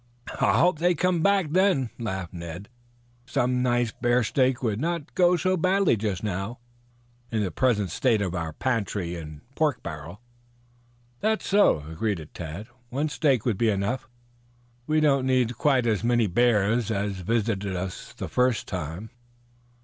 "I hope they come back, then," laughed Ned. "Some nice bear steak would not go so badly just now, in the present state of our pantry and pork barrel." "That's so," agreed Tad. "One steak would be enough. We don't need quite as many bears as visited us the first time."